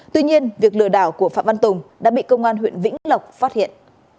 tuy nhiên việc lừa đảo của phạm văn tùng đã bị công an huyện vĩnh lộc phát hiện